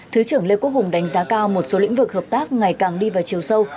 thứ trưởng lê quốc hùng đánh giá cao một số lĩnh vực hợp tác ngày càng đi vào chiều sâu